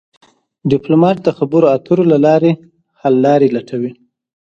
ډيپلومات د خبرو اترو له لارې حل لارې لټوي.